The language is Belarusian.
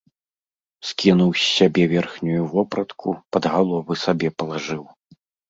Скінуў з сябе верхнюю вопратку, пад галовы сабе палажыў.